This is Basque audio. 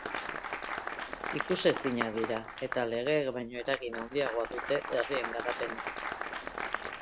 Ikusezinak dira, eta legeek baino eragin handiagoa dute herrien garapenean.